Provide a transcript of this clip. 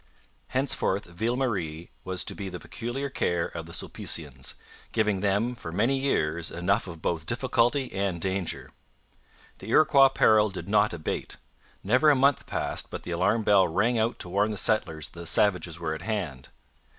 Henceforth Ville Marie was to be the peculiar care of the Sulpicians, giving them for many years enough of both difficulty and danger. The Iroquois peril did not abate. Never a month passed but the alarm bell rang out to warn the settlers that the savages were at hand.